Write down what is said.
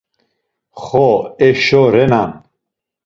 Xo, eşo renan.